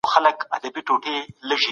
پرون مي دومره اوښكي